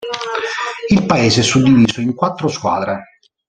Il paese è suddiviso in quattro squadre.